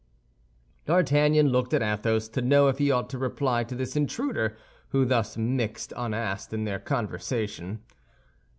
D'Artagnan looked at Athos to know if he ought to reply to this intruder who thus mixed unasked in their conversation.